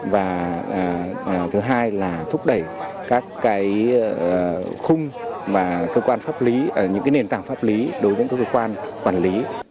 và thứ hai là thúc đẩy các cái khung và cơ quan pháp lý những cái nền tảng pháp lý đối với các cơ quan quản lý